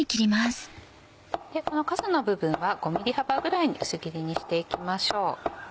このかさの部分は５ｍｍ幅ぐらいに薄切りにしていきましょう。